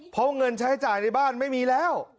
เพราะเงินใช้จ่ายในบ้านไม่มีแล้ว